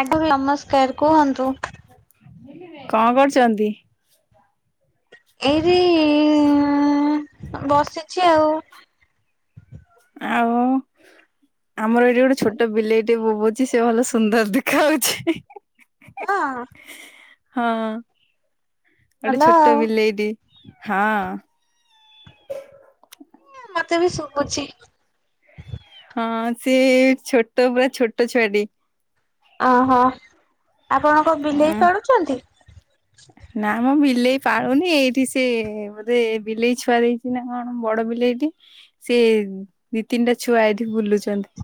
ଆଜ୍ଞା ନମସ୍କାର କୁହନ୍ତୁ? ହ କଣ କରୁଛନ୍ତି? ଏଇଟି ବସିଛି ଆଉ ଆଉ ଆମର ଏଇଠି ଗୋଟେ ଛୋଟ ବିଲେଇ ଟେ ବୋବଉଛି ସେ ଭଲ ସୁନ୍ଦର ଦେଖା ଯାଉଛି। ହଁ। ହଁ ଗୋଟେ ଭଲ ଛୋଟ ଆଉ ବିଲେଟେ ହଁ। ମତେ ବି ଶୁବୁଛି। ହଁ ସେଏ ଛୋଟ ପୁରା ଛୋଟ ଛୁଆଟି। ଓହୋ ଆପଣଙ୍କ ଉଁ ବିଲେଇ ପାଳୁଛନ୍ତି। ନା ମ ବିଲେଇ ପାଳୁନି ଏଠି ସେ ବୋଧେ ବିଲେଇ ଛୁଆ ଦେଇଛି ନା କଣ ବଡ ବିଲେଇଠେ ସେ ଦିଇ ତିନିଟା ଛୁଆ ଏଠି ବୁଲୁଛନ୍ତି।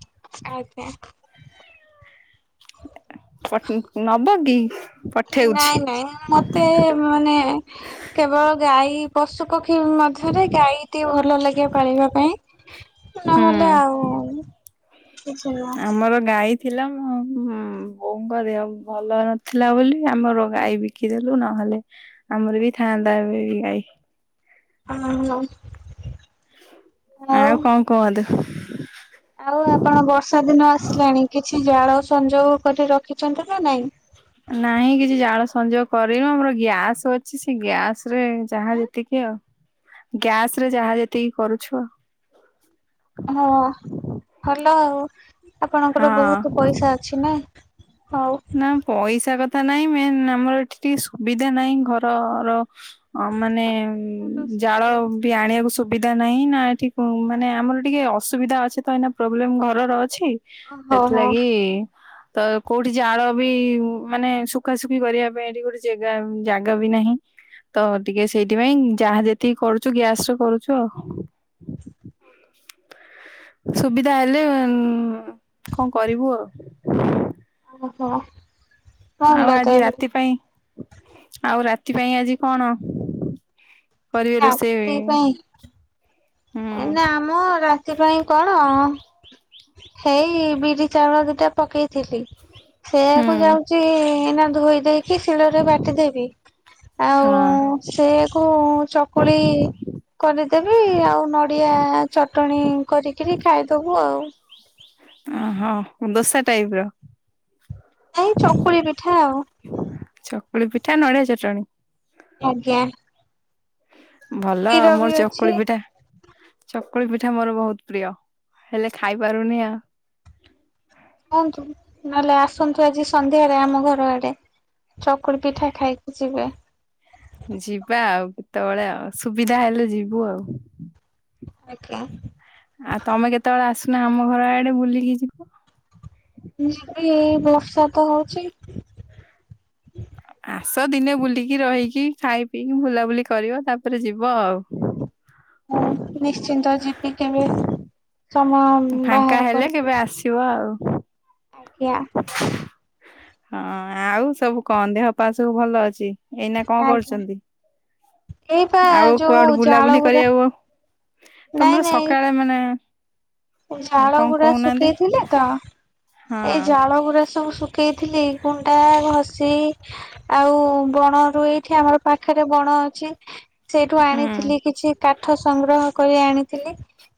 ଆଜ୍ଞା। [unintelligible] ନାଇଁ ନାଇଁ ମତେ ମାନେ କେବଳ ଗାଈ ପଶୁ ପକ୍ଷୀ ମଧ୍ୟରେ ଗାଈଟେ ଭଲ ଲାଗେ ପାଳିବା ପାଇଁ। ହୁଁ। ନହେଲେ ଆଉ କିଛି ନୁହଁ। ଆମର ଗାଈ ଥିଲା ବୋଉଙ୍କ ଦେହ ଭଲ ନଥିଲା ବୋଲି ଆମର ଗାଈ ବିକିଦଲୁ ନହେଲେ। ଆମର ବି ଥାଆନ୍ତା ଏବେବି ଗାଈ। ହଁ। ଆଉ କଣ କୁହନ୍ତୁ? ଆଉ ଆପଣ ବର୍ଷା ଦିନ ଆସିଲାଣି କିଛି ଜାଳ ସଂଯୋଗ କରି ରଖିଛନ୍ତି ନା ନାଇଁ? ନାହିଁ କିଛି ଜାଳ ସଂଯୋଗ କରିନୁ ଆମର ଗ୍ୟାସ୍ ଅଛି ସେ ଗ୍ୟାସ୍ ଯାହା ଯେତିକି ଆଉ ଗ୍ୟାସରେ ଯାହା ଯେତିକି କରୁଛୁ। ହଁ ଭଲ ଆଉ ଆପଣଙ୍କର ଆଉ ବହୁତ ହଁ। ପଇସା ଅଛି ନା? ହଉ। ନା ପଇସା କଥା ନାଇଁ ମେନ୍ ଆମର ଏଠି ଟିକେ ସୁବିଧା ନାହିଁ ଘରର ହ ମାନେ ରୋଷେଇ ଜାଳ କରିବା ବି ଆଣିବାକୁ ସୁବିଧା ନାହିଁ ନା ଏଠି ମାନେ ଆମର ଟିକେ ଅସୁବିଧା ଅଛି ତ ଏନା ପ୍ରୋବ୍ଲେମ୍ ଘରର ଅଛି? ହଉ ହଉ ସେଥିଲାଗି ତ କୋଉ ଏଠି ଜାଳ ବି ମାନେ ସୁଖାସୁଖି କରିବା ପାଇଁ ଏଠି ଗୋଟେ ଜାଗା ଜାଗା ବି ନାହିଁ। ତ ଟିକେ ସେଇଥିପାଇଁ ଯାହା ଯେତିକି କରୁଛୁ ଗ୍ୟାସରେ କରୁଛୁ ଆଉ। ସୁବିଧା ହେଲେ ଉ କଣ କରିବୁ ଆଉ? ଓହୋ। ଆଉ ଭଲ ଆଜି ତେବେ। ରାତି ପାଇଁ ଆଉ ରାତି ପାଇଁ ଆଜି କଣ? କରିବେ ରୋଷେଇ ହୁଁ ଏ ନାମ ରାତି ପାଇଁ କଣ? ହେଇ ବିରି ଚାଉଳ ଦିଟା ପକେଇଥିଲି। ହୁଁ ସେଆକୁ ଯାଉଚି ଏଇନା ଧୋଇ ଦେଇକି, ଶିଳରେ ବାଟିଦବି। ଆଉ ହଁ ସେଇଆକୁ ଚକୁଳି କରିଦେବି, ଆଉ ନଡ଼ିଆ ଚଟଣି କରିକିରି ଖାଇଦେବୁ ଆଉ। ଓହୋ, ଦୋସା ଟାଇପ୍ ର। ଏଇ ଚକୁଳି ପିଠା ଆଉ। ଚକୁଳି ପିଠା, ନଡ଼ିଆ ଚଟଣି। ଆଜ୍ଞା। ଭଲ ଆଉ, କ୍ଷୀର ବି ମୋର ଅଛି। ଚକୁଳି ପିଠା ଚକୁଳି ପିଠା ମୋର ବହୁତ ପ୍ରିୟ, ହେଲେ ଖାଇ ପାରୁନି ଆଉ। କାଇଁକି, ନହେଲେ ଆସନ୍ତୁ ଆଜି ସନ୍ଧ୍ୟାରେ ଆମ ଘର ଆଡେ। ଚକୁଳି ପିଠା ଖାଇକି ଯିବେ। ଯିବା ଆଉ କେତେବେଳେ ଆଉ ସୁବିଧା ହେଲେ ଯିବୁ ଆଉ। ଆଜ୍ଞା ‌। ଆଉ ତମେ କେତେବେଳେ ଆସୁନ ଆମ ଘର ଆଡେ ବୁଲିକି ଯିବ। ଯିବି, ବର୍ଷା ତ ହଉଚି। ଆସ ଦିନେ ବୁଲିକି, ରହିକି, ଖାଇ ପିଇକି, ବୁଲାବୁଲି କରିବ, ତାପରେ ଯିବ ଆଉ। ହଁ ନିଶ୍ଚିନ୍ତ ଯିବି କେବେ, ସମୟ ବାହାର କରକି। ଯିବା ଆଉ। ଆଜ୍ଞା। ହଁ ଆଉ ସବୁ କଣ? ଦେହ ପା ସବୁ ଭଲ ଅଛି? ଏଇନା କଣ ଆଜ୍ଞା କରୁଚନ୍ତି ଏଇପା ଆଉ ଯୋଉ କୁଆଡୁ ଜାଳ ବୁଲାବୁଲି ଗୁରା କରିବାକୁ ଆ ତମର ସକାଳେ ମାନେ ଏଇ ହଁ ଝାଳ କଣ ଗୁରା କହୁନାହାନ୍ତି ଶୁଖେଇଥିଲେ ତ, ଏଇ ଝା ହଁ ଜାଳ ଗୁରା ସବୁ ଶୁଖେଇଥିଲି, ଗୁଣ୍ଡା, ଘଷି ଆଉ ବଣ ରୁ, ଏଇଠି ଆମର ପାଖରେ ବଣ ଅଛି ସେଇଠୁ ହୁଁ ଆଣିଥିଲି କିଛି କାଠ ସଂଗ୍ରହ କରି ଆଣିଥିଲି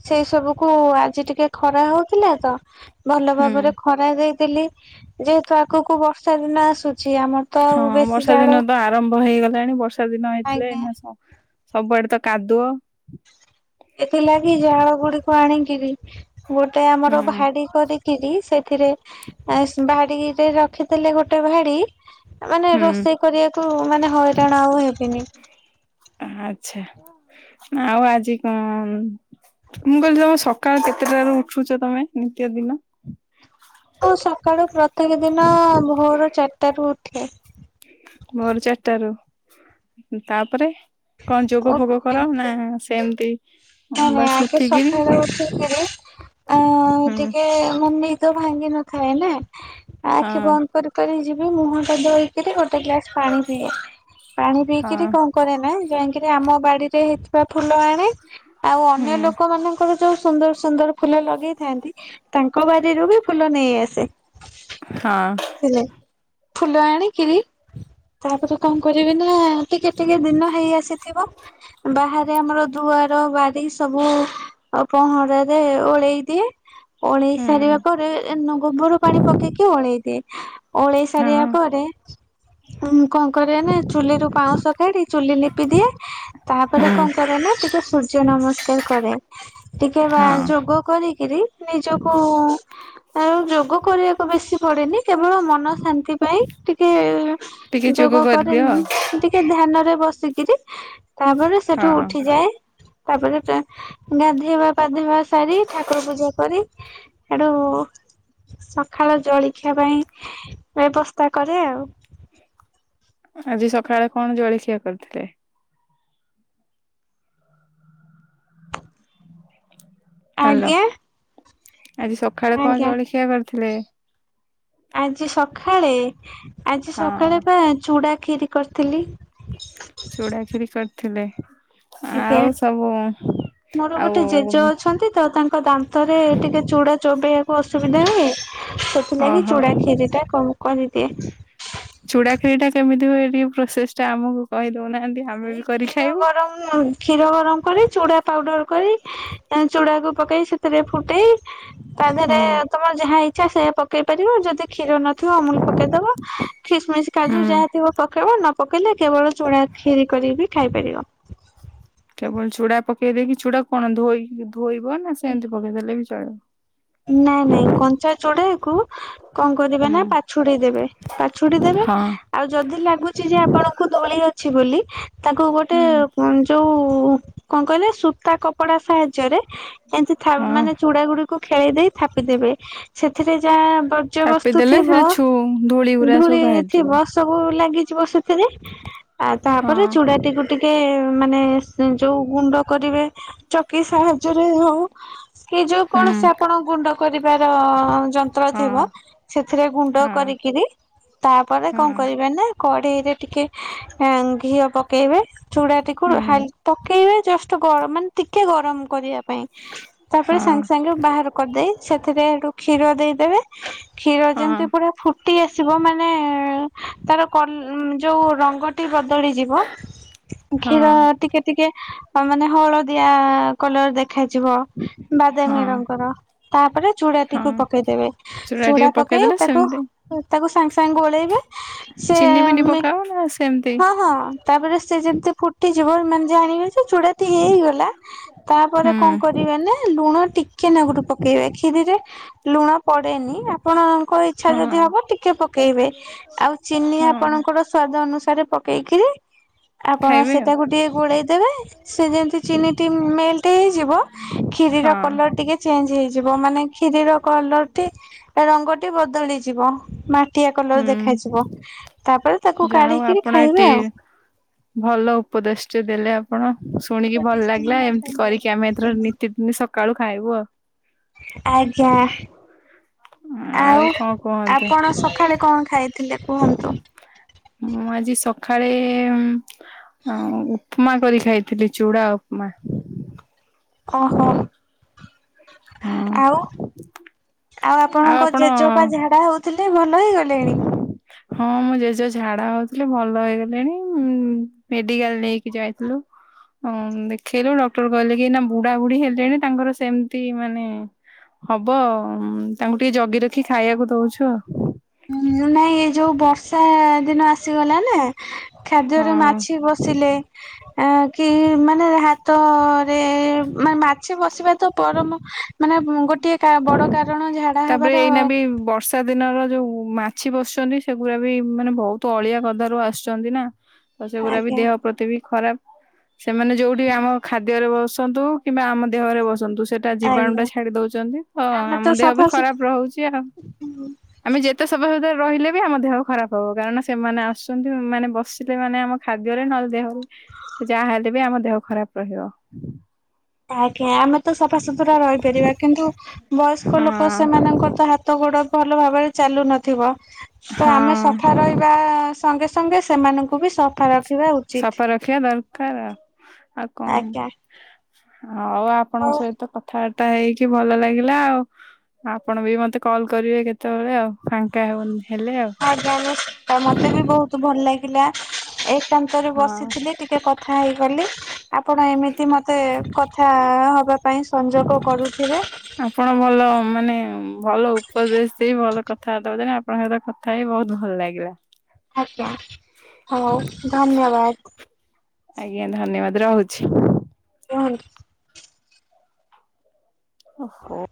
ସେ ସବୁକୁୁ ଆ ଆଜି ଟିକେ ଖରା ହଉଥିଲା ତ, ଭଲ ହୁଁ ଭାବରେ ଖରା ଦେଇଦେଲି। ଯେହେତୁ ଆଗକୁ ବର୍ଷା ଦିନ ଆସୁଚି, ଆମ ହଁ ବର୍ଷା ଦିନ ତ ଆରମ୍ଭ ହେଇଗଲାଣି, ବର୍ଷା ଦିନ ହେଇଥିଲେ ଆଜ୍ଞା। ଏଇନା ସ ସବୁଆଡେ ତ କାଦୁଅ। ଏଥିଲାଗି ଜାଳ ଗୁଡିକୁ ଆଣିକିରି, ଗୋଟେ ହୁଁ ଆମର ଭାଡି କରିକିରି, ସେଥିରେ, ବାଡିରେ ରଖିଥିଲେ ଗୋଟେ ଭାଡି ମାନେ ହୁଁ ରୋଷେଇ କରିବାକୁ, ମାନେ ହଇରାଣ ଆଉ ହେବିନି। ଆଛା, ଆଉ ଆଜି କଣ ମୁଁ କହିଲି ତମେ ସକାଳ କେତେଟାରୁ ଉଠୁଚ ତମେ, ନିତ୍ୟ ଦିନ? ହଁ, ସକାଳୁ ପ୍ରତ୍ୟେକ ଦିନ ଭୋର ଚାରିଟାରୁ ଉଠେ। ଭୋର ଚାରିଟାରୁ, ତାପରେ କଣ ଯୋଗ ଫୋଗ ଉଠେ କରାଅ, ନା ସେମତି? ନାଇଁ ନାଇଁ, ଆଗେ ସକାଳେ ଉଠିକିରି, ମୁଁ ହୁଁ ଟିକେ ମାନେ ନି ଦ ଭାଙ୍ଗି ନଥାଏ ନା, ହଁ ଆଖି ବନ୍ଦ କରି କରି ଯିବି, ମୁହଁ ଟା ଧୋଇକିରି ଗୋଟେ ଗ୍ଲାସ ପାଣି ପିଇବି, ପାଣି ହଁ ପିଇକିରି କଣ କରେ ନା, ଯାଇକିରି ଆମ ବାଡିରେ ହେଇଥିବା ଫୁଲ ଆଣେ, ଆଉ ହୁଁ ଅନ୍ୟ ଲୋକ ମାନ ଙ୍କର ଯୋଉ ସୁନ୍ଦର ସୁନ୍ଦର ଫୁଲ ଲଗେଇଥାନ୍ତି ତାଙ୍କ ବାାରିରୁ ବି ଫୁଲ ନେଇ ଆସେ। ହଁ। ଫୁଲ ଆଣିକିରି ତାପରେ କଣ କରିବି ନା ଟିକେ ଟିକେ ଦିନ ହେଇ ଆସିଥିବ ବାହାରେ ଆମର ଦୁଆ ର ବାରି ସବୁ ପହଁରାରେ ଓଳେଇ ଦିଏ। ଓଳେଇ ହୁଁ ସାରିବା ପରେ ଗୋବର ପାଣି ପକେଇକି ଓଳେଇଦିଏ। ଓଳେଇ ସାରିବା ହଁ ପରେମୁଁ କଣ କରେ ନା ଚୁଲି ରୁ ପାଉଁଶ କାଢି ଚୁଲି ଲିପି ଦିଏ ତାପରେ ହୁଁ କଣ କରେ ନା ଟିକେ ସୂର୍ଯ୍ୟ ନମସ୍କାର କରେ। ଟିକେ ବା ହଁ ଯୋଗ କରିକିରି ନିଜକୁ ଆଉ ଯୋଗ କରିବାକୁ ବେଶୀ ପଡେନି କେବଳ ମନ ଶାନ୍ତି ପାଇଁ ଟିକେ ଟିକେ ଯୋଗ କରିଦିଅ କରେନି ମୁ ଟିକେ ଧ୍ୟାନରେ ବସିକିରି ତାପରେ ସେଠୁ ହଁ ଉଠିଯାଏ। ତାପରେ ଗାଧେଇବା ପାଧେଇବା ସାରି ଠାକୁର ପୂଜା କରି ହେଠୁ ସଖାଳ ଜଳଖିଆ ପାଇଁ ବ୍ୟବସ୍ଥା କରେ ଆଉ। ଆଜି ସଖାଳେ କଣ ଜଳଖିଆ କରିଥିଲେ? ହଲୋ ଆଜ୍ଞା ଆଜି ସଖାଳେ କଣ ଆଜ୍ଞା ଜଳିଖିଆ କରିଥିଲେ? ଆଜି ସଖାଳେ ଆଜି ହଁ ସକାଳେ ବା ଚୁଡା କ୍ଷୀରୀ କରିଥିଲି। ଚୁଡାଖିରି କରିଥିଲେ। ଆଜ୍ଞା ଆଉ ସବୁ ମୋର ଆଉ ଗୋଟେ ଜେଜ ଅଛନ୍ତି ତ ତାଙ୍କ ତାଙ୍କ ଦାନ୍ତରେ ଟିକେ ଚୁଡା ଚୋବେଇଆକୁ ଅସୁବିଧା ହୁଏ। ସେଥିଲାଗି ଓହୋ ଚୁଡ଼ା ଖିରି ଟା କରିଦିଏ। ଚୁଡାଖିୀରି ଟା କେମିତି ହୁଏ ପ୍ରୋସେସ ଟା ଆମକୁ କହିଦଉନାହାନ୍ତି? ଏଇ କ୍ଷୀର ଗରମ କ୍ଷୀର ଗରମ କରି ଚୁଡ଼ା ପାଉଡର କରି ଚୁଡ଼ାକୁ ପକେଇ ସେଥିରେ ଫୁଟେଇ ତା ଦେହରେ ହୁଁ ତମର ଯାହା ଇଚ୍ଛା ସେଇୟା ପକେଇ ପାରିବ ଯଦି କ୍ଷୀର ନ ଅମୂଲ ପକେଇଦବ ଖିସମିସ କାଜୁ ହୁଁ। ଯାହା ଥିବ ପକେଇବ ନ ପକେଇଲେ କେବଳ ଚୁଡା ଖିରି କରି ବି ଖାଇପାରିବ। କେବଳ ଚୁଡା ପକେଇ ଦେଇକି ଚୁଡ଼ା କୁ କଣ ଧୋଇକି ଧୋଇବ ନା ସେଏଁତି ପକେଇଦେଲେ ବି ଚଳିବ। ନାଇଁ ନାଇଁ କଞ୍ଚା ଚୁଡାକୁ କଣ କରିବେ ନା ହୁଁ ପାଛୁଡି ଦେବେ ପାଛୁଡି ଦେବେ ହଁ ଆଉ ଯଦି ଲାଗୁଚି ଯେ ଆପଣଙ୍କୁ ଧୁଳି ଅଛି ବୋଲି ତାଙ୍କୁ ଗୋଟେ ହୁଁ ଯୋଉ କଣ କହିଲେ ସୂତା କପଡା ସାହାଯ୍ୟରେ ଏମିତି ହଁ। ମାନେ ଚୁଡା ଗୁଡିକୁ ଖେଳେଇ ଦେଇ ଥାପିଦେବେ ସେଥିରେ ଯାହା ଚାପି ବଜ୍ୟବସ୍ତୁ ଦେଲେ ଥିବ ସେଟା ଛୁ ଗୁରା ସବୁ ଧୂଳି ଥିବ। ବାହାରିଯିବ ସବୁ ଲାଗିଯିବ ସେଥିରେ ଆଉ ତାପରେ ହଁ ଚୁଡାଟିକୁ ଟିକେ ମାନେ ଯୋଉ ଗୁଣ୍ଡ କରିବେ ଚକି ସାହାଯ୍ୟରେ ହୋଉ କି ଯୋଉ ହୁଁ। କୌଣସି କଣ ଗୁଣ୍ଡ କରିବାର ଯନ୍ତ୍ର ହଁ ଥିବ ସେଥିରେ ଗୁଣ୍ଡ ହଁ କରିକିରି ତାପରେ କଣ ହଁ କରିବେ ନା କଡେଇରେ ଟିକେ ଘିଅ ପକେଇବେ। ଚୁଡ଼ାଟିକୁା ହୁଁ ହାଲ୍ ପକେଇବେ ଜଷ୍ଟ ଗର ମାନେ ଟିକେ ଗରମ କରିବା ପାଇଁ ତାପରେ ହଁ ସାଙ୍ଗେ ସାଙ୍ଗେ ବାହାର କରିଦେଇ ସେଥିରେ ହେଠୁ କ୍ଷୀର ଦେଇଦେବେ। କ୍ଷୀର ହଁ ଯେମିତି ପୁରା ଫୁ ଟି ଆସିବ ମାନେ ତାର କଲ ଯୋଉ ରଙ୍ଗଟି ବଦଳିଯିବ [inaudible] ହଁ କ୍ଷୀର ଟିକିଏ ଟିକିଏ ମାନେ ହଳଦିଆ କଲର ଦେଖ ଖାଯିବ ବାଦାମି ହଁ ରଙ୍ଗର। ହଁପରା ଚୁଡାଟିକୁ ହଁ ପକେଇଦବେ ଚୁଡ଼ା ଚୁଡା ଟିକେ ପକେଇ ପକେଇଦେଲେ ତାକୁ ସେମିତି ତାକୁ ସାଙ୍ଗେ ସାଙ୍ଗେ ଗୋଳେଇବେ। ସେ ଚିନି ଫିନି ମି ପକାଅନା ହଁ ହଁ ତାପରେ ସେଯେମିତି ଫୁଟିଯିବ ମାନେ ଜାଣିବେଯେ ଚୁଡାଟି ହେଇଗଲା। ତାପରେ ହୁଁ କଣ କରିବେନା? ଲୁଣ ଟିକିଏ ନାଗରୁ ପକେଇବେ କ୍ଷିରିରେ ଲୁଣ ପଡେନି ଆପ ଆପଣଙ୍କ ଇଛା ହଁ ଯଦି ହବ ଟିକିଏ ପକେଇବେ ଆଉ ଚିନି ହଁ ଆପଣଙ୍କର ସ୍ଵାଦ ଅନୁସାରେ ପକେଇକିରି ଆପଣ ଖାଇବେ ଆଉ ସେଇତାକୁ ଟିକେ ଗୋଳେଇଦେବେ ସେ ଯେମତି ଚିନିଟି ମେଲଟ ହେଇଯିବ। କ୍ଷୀରିର ହଁ କଲର ଟିକିଏ ଚେଞ୍ଜ ହେଇଯିବ ମାନେ କ୍ଷୀରିର କଲରଟି ରଙ୍ଗଟି ବଦଳିଯିବ ମା ଟିଆ କଲର ହୁଁ ଦେଖାଯିବ ତାପରେ ତାକୁ ଯାହା ହଉ କାଢିକିରି ଆପଣ ଖାଇବା ଏଠି ଆଉ ଭଲ ଉପଦେଶ ଦେଲେ ଆପଣ। ଶୁଣିକି ଭଲ ଲାଗିଲା ଏମିତି କରିକି ଆମେ ଏଥର ନିତିଦିନ ସକାଳୁ ଖାଇବୁ ଆଉ ଆଜ୍ଞା। ଆଉ କଣ କୁହନ୍ତୁ ଆପଣ ସକାଳେ କଣ ଖାଇଥିଲେ କୁହନ୍ତୁ? ମୁଁ ଆଜି ସକାଳେ ଉୁଁ ଅଁ ଉୁଁ ଉୁଁ। ଉପମା କରିକି ଖାଇଥିଲି ଚୁଡ଼ା ଉପମା। ଅହୋ। ହଁ। ଆଉ ଆପଣଙ୍କ ଜେଜପା ଝାଡା ହଉଥିଲେ ଭଲ ହେଇଗଲେଣି। ହଁ ମୋ ଜେଜେ ଝାଡା ହଉଥିଲେ ଭଲ ହେଇଗଲେଣି ମେଡିକାଲ ନେଇକି ଯାଇଥିଲୁ। ହଁ ଦେଖେଇଲୁ ଡକ୍ଟର କହିଲେକି ନାବୁଢା ବୁଢୀ ହେଲେଣି ତାଙ୍କର ସେମିତି ମାନେ। ହବ ତାଙ୍କୁ ଟିକିଏ ଜଗି ରଖି ଖାଇବାକୁ ଦଉଛୁ ଆଉ ଉୁଁ ନାଇଁ ଏ ଯୋଉ ବର୍ଷା ଦିନ ଆସିଗଲାନା। ଖାଦ୍ୟରେ ହଁ। ମାଛି ବସିଲେ ଏଁ କି ମାନେ ହାତ ଏଁ ମାନେ ମାଛି ବସିବାତ ପରମ ମାନେ ଗୋଟିଏ କା ବଡ କାରଣ ଝାଡା ହବାର ବର୍ଷ ବର୍ଷା ଦିନର ଯୋଉ ମାଛି ବସୁଛନ୍ତି ସେଗୁଡାବି ମାନେ ବହୁତ ଅଳିଆ କଦାରୁ ଆସିଛନ୍ତିନା। ତ ସେଗୁରାବି ଆଜ୍ଞା ଦେହ ପ୍ରତିବି ଖରାପ। ସେମାନେ ଯୋଉଠି ଆମ ଖାଦ୍ୟରେ ବସନ୍ତୁ କିମ୍ବା ଆମ ଦେହରେ ବସନ୍ତୁ ସେ ତା ଜୀବାଣୁଟା ଆଜ୍ଞା। ଛାଡି ଦଉଚନ୍ତି ହଁ ଆମେ ଆମ ତ ଦେହବି ସଫାସୁ ଖରାପ ରହୁଛି ଆଉ ଆମେ ଯେତେ ସଫା ସୁତର ରହିଲେବି ଆମ ଦେହ ଖରାପ ହବ କାରଣ ସେମାନେ ଆସୁଛନ୍ତି ମାନେ ବସିଲେ ମାନେ ଆମ ଖାଦ୍ୟରେ ନଦେହ ହଉ ଯାହା ହେଲେବି ଆମ ଦେହ ଖରାପ ରହିବ। ଆଜ୍ଞା ଆମେତ ସଫାସୁତୁରା ରହିପାରିବା କିନ୍ତୁ ବୟସ୍କ ଲୋକ ହଁ ସେମାନଙ୍କରତ ହାତ ହାତ ଗୋଡ ଭଲ ଭାବରେ ଚାଲୁ ନଥିବ ତ ଆମେ ସଫା ହଁ। ରହି ବା ସଙ୍ଗେ ସଙ୍ଗେ ସେମାନଙ୍କୁ ବି ସଫା ରଖିବା ଉଚିତ। ସଫା ରଖିବା ଦରକାର ଆ ଆଉ କଣ? ଆଜ୍ଞା ହଉ ଆପଣଙ୍କ ହଉ ସହିତ କଥ କଥା ର୍ବତ୍ତା ହେଇକି ଭଲ ଲାଗିଲା ଆଉ ଆପଣବି ମତେ କଲ କରିବେ କେତେବେଳେ ଆଉ ଫାଙ୍କା ହଉନି ହେଲେ ଆଉ ଆଜ୍ଞା [unintelligible] ମତେ ବି ବହୁତ ଭଲ ଲାଗେ। ଥିଲା, ଏକାନ୍ତରେ ହଁ। ବସିଥିଲି ଟିକେ କଥା ହେଇଗଲି। ଆପଣ ଏମିତି ମତେ କଥା ହେବା ପାଇଁ ସଂଯୋଗ କରୁଥିବେ। ଆପଣ ଭଲ ମାନେ ଭଲ ଉପଦେଶ ଦେଇ ଭଲ କଥାବାର୍ତ୍ତାବ ହଉଛନ୍ତି ଆପଣ ସହିତ। କଥା ହେଇ ବହୁତ ଭଲ ଲାଗିଲା। ଆଜ୍ଞା ହଉ ଧନ୍ୟବାଦ। ଆଜ୍ଞା ଧନ୍ୟବାଦ ରହୁଛି। ରହୁଛି। ଓହୋ।